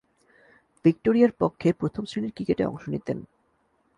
ভিক্টোরিয়ার পক্ষে প্রথম-শ্রেণীর ক্রিকেটে অংশ নিতেন।